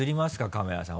カメラさん。